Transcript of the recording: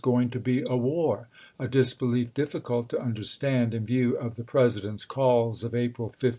going to be a war, a disbelief difficnlt to under stand in view of the President's calls of April 15 im\.